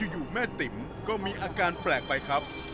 อยู่แม่ติ๋มก็มีอาการแปลกไปครับ